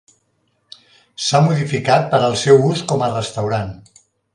S'ha modificat per al seu ús com a restaurant.